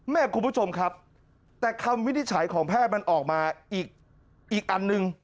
คุณผู้ชมครับแต่คำวินิจฉัยของแพทย์มันออกมาอีกอันหนึ่ง